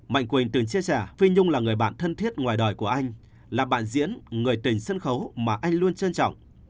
mạnh quyền từng chia sẻ phi nhung là người bạn thân thiết ngoài đời của anh là bạn diễn người tình sân khấu mà anh luôn trân trọng